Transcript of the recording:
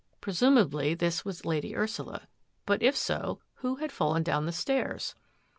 Presumably this was Lady Ursula. But if so, who had fallen down the stairs